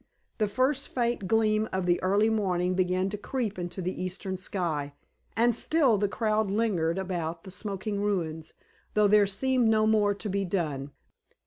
The first faint gleam of the early morning began to creep into the eastern sky, and still the crowd lingered about the smoking ruins, though there seemed no more to be done.